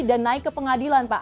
dan naik ke pengadilan pak